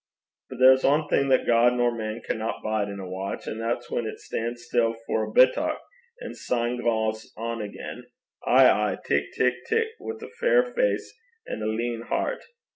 But there's ae thing that God nor man canna bide in a watch, an' that's whan it stan's still for a bittock, an' syne gangs on again. Ay, ay! tic, tic, tic! wi' a fair face and a leein' hert.